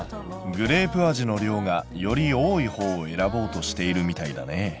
グレープ味の量がより多いほうを選ぼうとしているみたいだね。